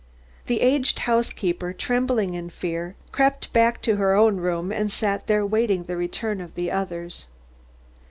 The aged housekeeper, trembling in fear, crept back to her own room and sat there waiting the return of the others.